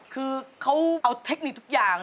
คือเขาเอาเทคนิคทุกอย่าง